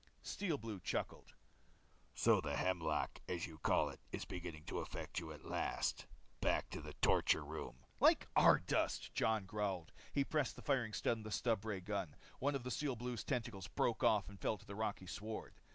Steel Blue chuckled. "So the hemlock, as you call it, is beginning to affect you at last? Back to the torture room." "Like R dust," Jon growled. He pressed the firing stud on the stubray gun. One of Steel Blue's tentacles broke off and fell to the rocky sward.